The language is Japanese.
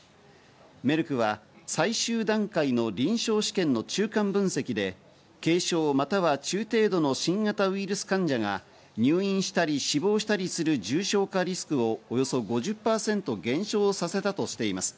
メルクは最終段階の臨床試験の中間分析で、軽症または中程度の新型ウイルス患者が入院したり死亡したりする重症化リスクをおよそ５０％減少させたとしています。